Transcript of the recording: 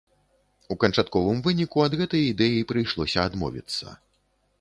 У канчатковым выніку, ад гэтай ідэі прыйшлося адмовіцца.